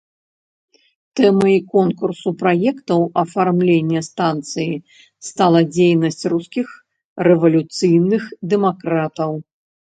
Тэмай конкурсу праектаў афармлення станцыі стала дзейнасць рускіх рэвалюцыйных дэмакратаў.